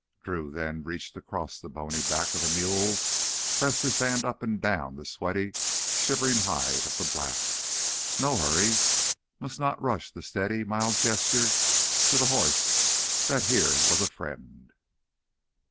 Drew then reached across the bony back of the mule, pressed his hand up and down the sweaty, shivering hide of the black. No hurry, must not rush the steady, mild gesture to the horse that here was a friend.